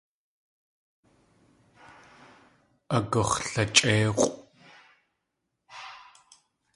Agux̲lachʼéix̲ʼw.